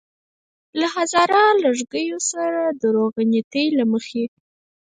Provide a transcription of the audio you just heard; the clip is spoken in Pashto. له هزاره لږکیو سره روغنيتۍ له مخې.